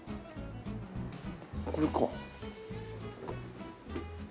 これか。